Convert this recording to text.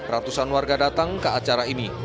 ratusan warga datang ke acara ini